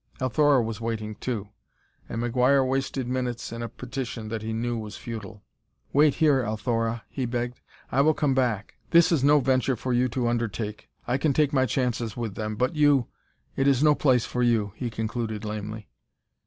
Althora was waiting, too, and McGuire wasted minutes in a petition that he knew was futile. "Wait here, Althora," he begged. "I will come back; this is no venture for you to undertake. I can take my chances with them, but you ! It is no place for you," he concluded lamely.